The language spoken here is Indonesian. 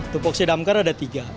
tupuksi damkar ada tiga